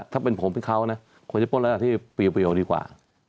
ถ้าเป็นผมเป็นเขานะมันจะป้นแล้วคือยอมออกดีกว่า